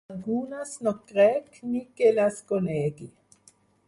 Algunes no crec ni que les conegui.